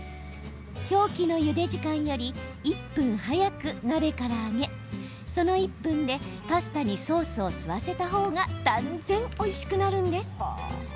表記のゆで時間より１分早く鍋から上げ、その１分でパスタにソースを吸わせた方が断然おいしくなるんです。